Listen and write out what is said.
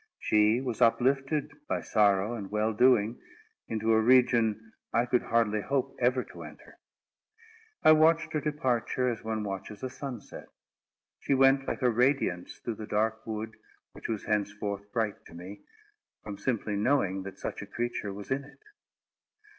She was uplifted, by sorrow and well doing, into a region I could hardly hope ever to enter. I watched her departure, as one watches a sunset. She went like a radiance through the dark wood, which was henceforth bright to me, from simply knowing that such a creature was in it.